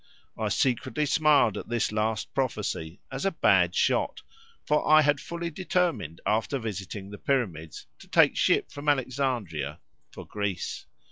I secretly smiled at this last prophecy as a "bad shot," for I had fully determined after visiting the Pyramids to take ship from Alexandria for Greece.